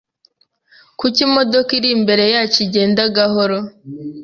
Kuki imodoka iri imbere yacu igenda gahoro?